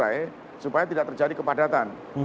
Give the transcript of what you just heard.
jadi kita akan mencari jalan ke jawa timur